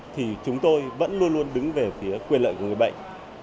thì chúng tôi vẫn luôn luôn đứng về phía quyền lợi của người bệnh